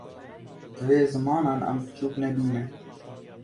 Divê zimanan em piçûk nebînin